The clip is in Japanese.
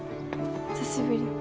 久しぶり。